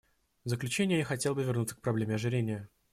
В заключение я хотел бы вернуться к проблеме ожирения.